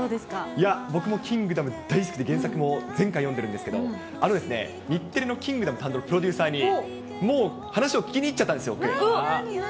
いや、僕もキングダム大好きで、原作も全巻読んでるんですけど、日テレのキングダム担当のプロデューサーに、もう話を聞きに行っちゃったんですよ、僕は。